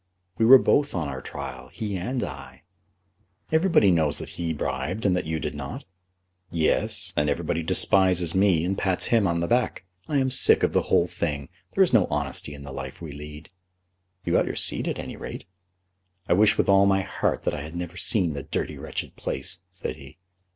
"We were both on our trial, he and I." "Everybody knows that he bribed and that you did not." "Yes; and everybody despises me and pats him on the back. I am sick of the whole thing. There is no honesty in the life we lead." "You got your seat at any rate." "I wish with all my heart that I had never seen the dirty wretched place," said he.